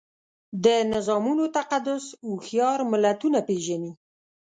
د نظامونو تقدس هوښیار ملتونه پېژني.